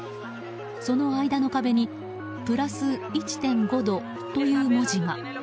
その間の壁に「プラス１．５度」という文字が。